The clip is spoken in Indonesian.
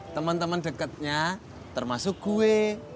teman teman dekatnya termasuk gue